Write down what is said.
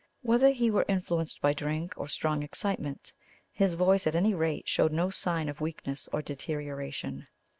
Whether he were influenced by drink or strong excitement, his voice at any rate showed no sign of weakness or deterioration.